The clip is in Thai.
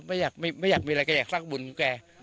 ไม่อยากมีอะไรก็อยากทักบุญของแก